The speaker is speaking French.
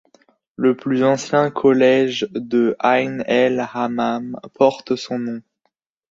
Le plus ancien collège de Ain El Hammam porte son nom.